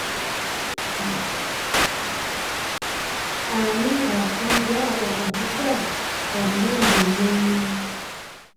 Ani asinga okuvuga obulungi ennyonyi?